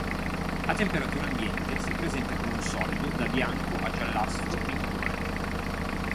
A temperatura ambiente si presenta come un solido da bianco a giallastro inodore.